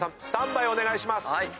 スタンバイお願いします。